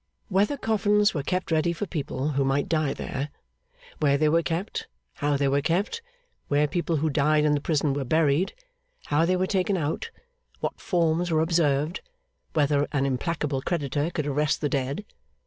Whether coffins were kept ready for people who might die there, where they were kept, how they were kept, where people who died in the prison were buried, how they were taken out, what forms were observed, whether an implacable creditor could arrest the dead?